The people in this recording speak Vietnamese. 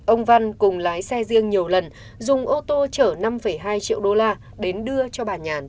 ông văn cùng lái xe riêng nhiều lần dùng ô tô chở năm hai triệu đô la đến đưa cho bà nhàn